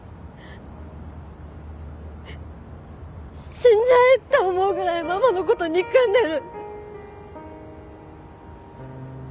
死んじゃえって思うぐらいママのこと憎んでる！